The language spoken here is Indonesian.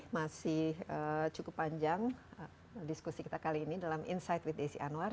masih cukup panjang diskusi kita kali ini dalam insight with desi anwar